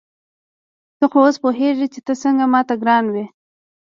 ته خو اوس پوهېږې چې ته څنګه ما ته ګران وې.